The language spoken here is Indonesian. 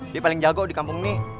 dia paling jago di kampung ini